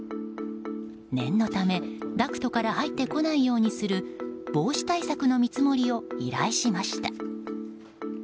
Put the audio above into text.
念のため、ダクトから入ってこないようにする防止対策の見積もりを依頼しました。